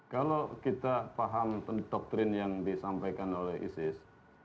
kalau kita paham doktrin yang disampaikan oleh isis